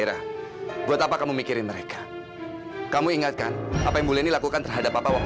aku mau ikut sama zahira ya pak